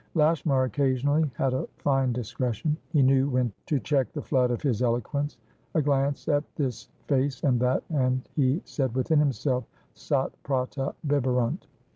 Lashmar occasionally had a fine discretion. He knew when to cheek the flood of his eloquence: a glance at this face and that, and he said within himself: Sat prata biberunt.